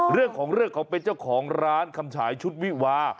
เรื่องของเรื่องเขาเป็นเจ้าของร้านคำฉายชุดวิวา